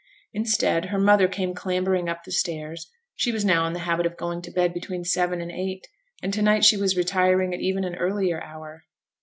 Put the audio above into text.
Instead, her mother came clambering up the stairs; she was now in the habit of going to bed between seven and eight, and to night she was retiring at even an earlier hour.